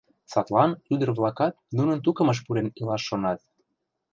Садлан ӱдыр-влакат нунын тукымыш пурен илаш шонат.